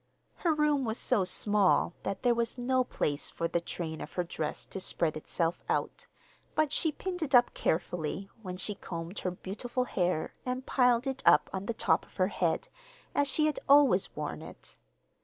Her room was so small that there was no place for the train of her dress to spread itself out, but she pinned it up carefully when she combed her beautiful hair and piled it up on the top of her head, as she had always worn it.